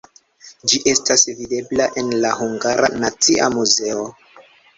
Ĝi estas videbla en la Hungara Nacia Muzeo.